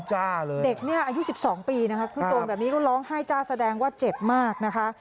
เด็กเนี่ยอายุ๑๒ปีนะคะเพิ่งโดนแบบนี้ก็ร้องไห้จ้าแสดงว่าเจ็บมากนะคะ